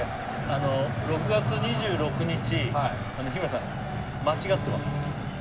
あの６月２６日日村さん間違ってます